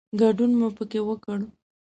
ګډون مو پکې وکړ.